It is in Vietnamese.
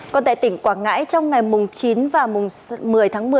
còn tại tỉnh quảng ngãi trong ngày mùng chín và một mươi tháng một mươi